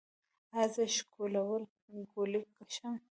ایا زه ښکلول کولی شم؟